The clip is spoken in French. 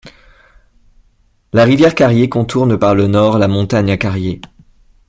La rivière Carrier contourne par le nord la montagne à Carrier.